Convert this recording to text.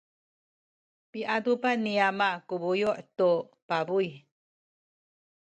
piadupan ni ama ku buyu’ tu pabuy.